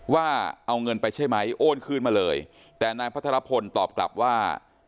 ว่าเอาเงินไปใช่ไหมโอนคืนมาเลยแต่นายพัทรพลตอบกลับว่า